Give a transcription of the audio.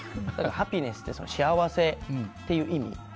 ハピネスって幸せっていう意味。